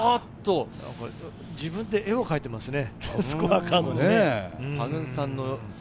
自分で絵を描いてますね。